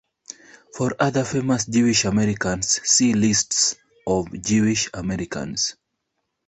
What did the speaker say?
For other famous Jewish Americans, see Lists of Jewish Americans.